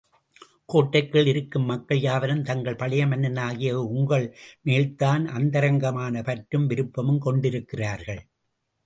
கோட்டைக்குள் இருக்கும் மக்கள் யாவரும் தங்கள் பழை மன்னனாகிய உங்கள்மேல்தான் அந்தரங்கமான பற்றும் விருப்பமும் கொண்டிருக்கிறார்கள்.